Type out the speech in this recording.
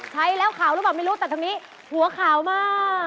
ใช้แล้วขาวหรือเปล่าไม่รู้แต่ทางนี้หัวขาวมาก